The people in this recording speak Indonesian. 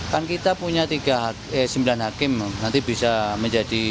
kan kita punya sembilan hakim nanti bisa menjadi